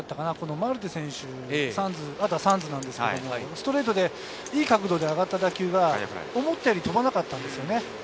マルテ選手、サンズ選手、ストレートでいい角度で上がった打球が思ったより飛ばなかったんです。